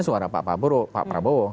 suara pak pak paro pak prabowo